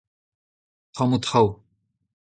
tammoù traoù.